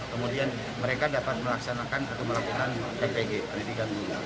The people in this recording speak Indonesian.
kemudian mereka dapat melaksanakan ketumelakutan ppg